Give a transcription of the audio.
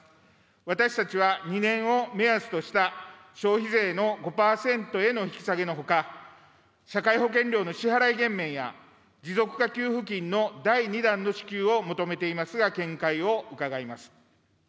私たちは２年を目安とした消費税の５％への引き下げのほか、社会保険料の支払い減免や、持続化給付金の第２弾の支給を求めていますが、見解を伺います。